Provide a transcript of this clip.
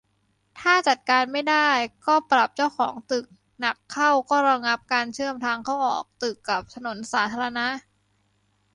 ถ้าจัดการไม่ได้ก็ปรับเจ้าของตึก หนักเข้าก็ระงับการเชื่อมทางเข้าออกตึกกับถนนสาธารณะ